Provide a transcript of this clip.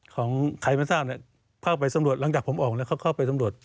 ของไขมัสทาบเนี่ยเข้าไปสำรวจหลังจากผมออกเลยค่อไปสำรวจ